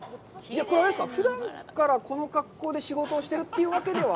これはふだんからこの格好で仕事をしてるというわけでは。